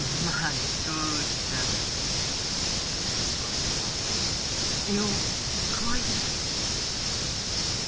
'My good fellow,' said his smiling father, 'you quite affect me.